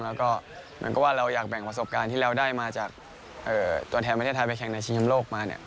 แล้วก็เหมือนกับว่าเราอยากแบ่งประสบการณ์ที่เราได้มาจากตัวแทนประเทศไทยไปแข่งในชิงชำโลกมาเนี่ย